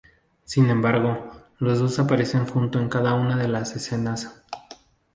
Sin embargo, los dos aparecen juntos en cada una de las escenas.